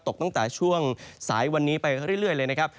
ตกตั้งแต่ช่วงสายวันนี้ไปเรื่อยเลยนะครับ